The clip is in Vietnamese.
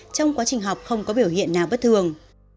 trong quá trình học không có biểu hiện nào bất thường